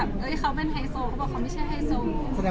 อันนี้พี่ฝากมั้ย